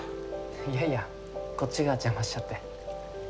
いやいやこっちが邪魔しちゃって。